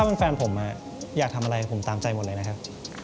เป็นแฟนผมอยากทำอะไรผมตามใจหมดเลยนะครับ